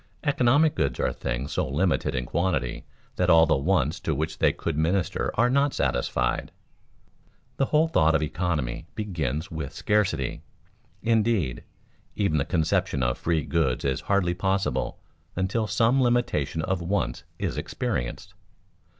Economic goods are things so limited in quantity that all of the wants to which they could minister are not satisfied. The whole thought of economy begins with scarcity; indeed, even the conception of free goods is hardly possible until some limitation of wants is experienced.